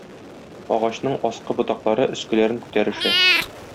Агачның аскы ботаклары өскеләрен күтәрешә.